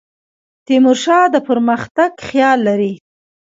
تیمور شاه د پرمختګ خیال لري.